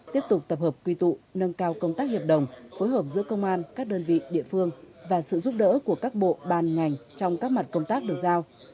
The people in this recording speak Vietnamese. tiếp tục tập hợp quy tụ nâng cao công tác hiệp đồng phối hợp giữa công an các đơn vị địa phương và sự giúp đỡ của các bộ ban ngành trong các mặt công tác được giao